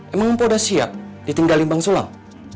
emang mpok udah siap ditinggalin bang sulang